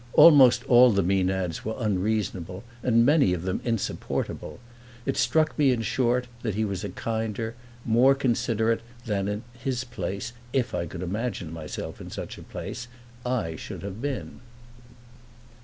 Almost all the Maenads were unreasonable, and many of them insupportable; it struck me in short that he was kinder, more considerate than, in his place (if I could imagine myself in such a place!) I should have been.